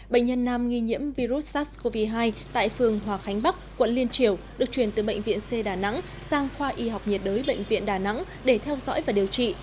bệnh nhân nam nghi nhiễm virus sars cov hai tại phường hòa khánh bắc quận liên triều được truyền từ bệnh viện c đà nẵng sang khoa y học nhiệt đới bệnh viện đà nẵng để theo dõi và điều trị